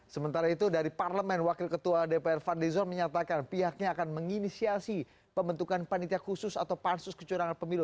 sementara itu dari parlemen wakil ketua dpr fadlizon menyatakan pihaknya akan menginisiasi pembentukan panitia khusus atau pansus kecurangan pemilu